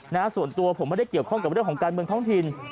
นะฮะส่วนตัวผมไม่ได้เกี่ยวข้องกับเรื่องของการเมืองท้องถิ่น